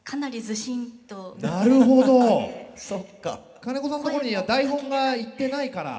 金子さんとこには台本が行ってないから。